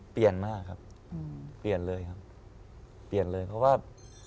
เปลี่ยนมากครับ